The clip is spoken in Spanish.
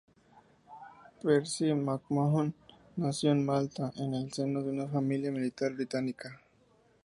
Percy MacMahon nació en Malta en el seno de una familia militar británica.